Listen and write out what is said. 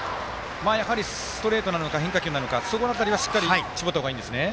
やはり、ストレートなのか変化球なのかその辺りをしっかり絞った方がいいですね。